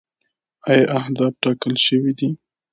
آیا اهداف ټاکل شوي دي؟